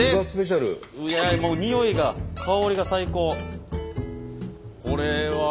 もうにおいが香りが最高。